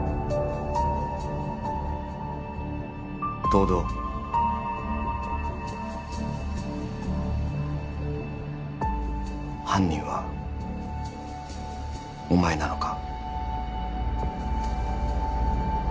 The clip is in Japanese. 東堂犯人はお前なのか？